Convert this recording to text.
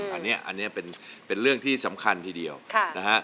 อันนี้เป็นเรื่องที่สำคัญทีเดียวนะฮะ